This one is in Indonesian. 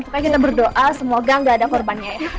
supaya kita berdoa semoga gak ada korbannya ya